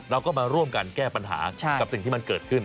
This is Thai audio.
เราก็มาร่วมกันแก้ปัญหากับสิ่งที่มันเกิดขึ้น